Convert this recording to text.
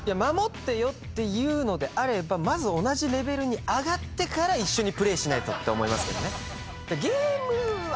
「守ってよ」って言うのであればまず同じレベルに上がってから一緒にプレーしないとって思いますけどね。